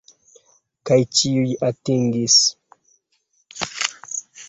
Kaj ĉiuj atingis!